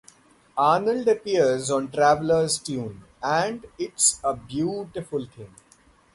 Arnold appears on "Traveller's Tune" and "It's a Beautiful Thing".